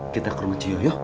kita ke rumah ce yoyo